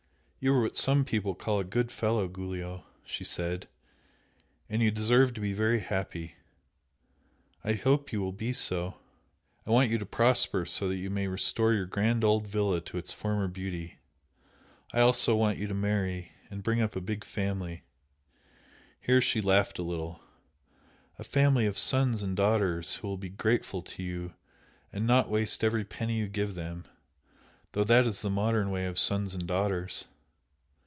"You are what some people call 'a good fellow,' Giulio!" she said "And you deserve to be very happy. I hope you will be so! I want you to prosper so that you may restore your grand old villa to its former beauty, I also want you to marry and bring up a big family" here she laughed a little "A family of sons and daughters who will be grateful to you, and not waste every penny you give them though that is the modern way of sons and daughters."